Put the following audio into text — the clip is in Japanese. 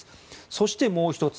そしてもう１つ。